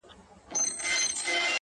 د دود وهلي ښار سپېڅلي خلگ لا ژونـدي دي،